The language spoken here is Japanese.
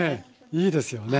いいですよね。